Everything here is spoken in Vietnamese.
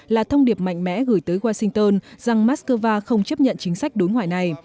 là thông điệp mạnh mẽ gửi tới washington rằng moscow không chấp nhận chính sách đối ngoại này